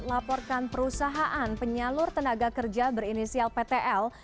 melaporkan perusahaan penyalur tenaga kerja berinisial ptl